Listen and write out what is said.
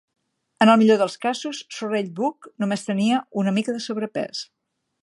En el millor dels casos, Sorrell Booke només tenia una mica de sobrepès.